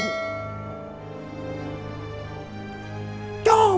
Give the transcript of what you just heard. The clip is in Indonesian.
coba tahan semua marah